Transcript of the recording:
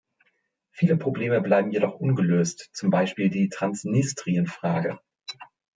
Viele Probleme bleiben jedoch ungelöst, zum Beispiel die Transnistrien-Frage.